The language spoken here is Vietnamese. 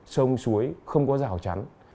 sông suối không có rào chắn